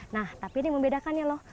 nah tapi ini membedakannya loh